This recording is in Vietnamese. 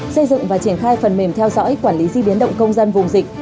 xây dựng và triển khai phần mềm theo dõi quản lý di biến động công dân vùng dịch